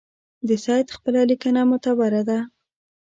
د سید خپله لیکنه معتبره ده.